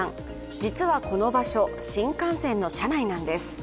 実はこの場所、新幹線の車内なんです。